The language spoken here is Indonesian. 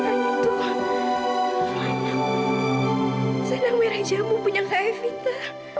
selain itu selain yang merah jamu punya kak evita